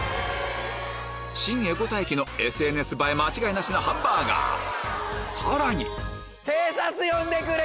新江古田駅のＳＮＳ映え間違いなしのハンバーガーさらに警察呼んでくれ！